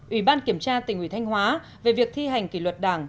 ủy ban kiểm tra tỉnh ủy thanh hóa về việc thi hành kỷ luật đảng